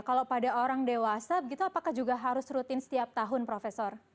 kalau pada orang dewasa begitu apakah juga harus rutin setiap tahun profesor